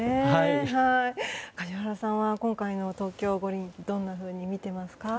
梶原さんは今回の東京五輪どんなふうに見ていますか？